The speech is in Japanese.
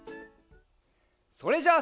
それじゃあ